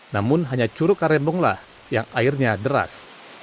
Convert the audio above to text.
namun hanya curug karembonglah yang airnya deras